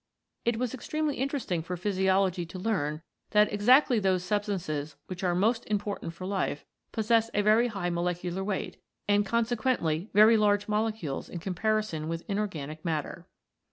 It was extremely interesting for physiology to learn that exactly those substances which are most im portant for life possess a very high molecular weight and consequently very large molecules in com parison with inorganic matter.